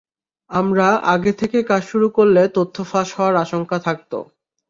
আমরা আগে থেকে কাজ শুরু করলে তথ্য ফাঁস হওয়ার আশঙ্কা থাকত।